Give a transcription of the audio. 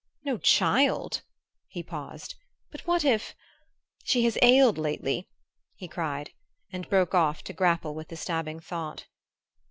"No child!" He paused. "But what if ? She has ailed lately!" he cried, and broke off to grapple with the stabbing thought.